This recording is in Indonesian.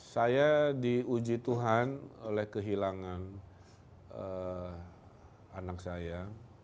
saya diuji tuhan oleh kehilangan anak saya